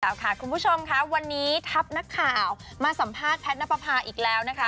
สวัสดีนะคะคุณผู้ชมครับวันนี้ทัพนักข่าวมาสัมภาษณ์แพทย์นพระพาอีกแล้วนะคะ